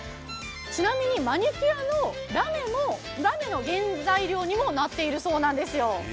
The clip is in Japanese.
ちなみにマニュキアのラメの原材料にもなっているそうなんですよ。